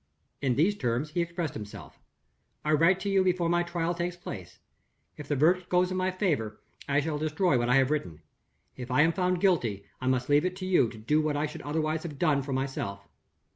In these terms he expressed himself: "I write to you before my trial takes place. If the verdict goes in my favor, I shall destroy what I have written. If I am found guilty, I must leave it to you to do what I should otherwise have done for myself.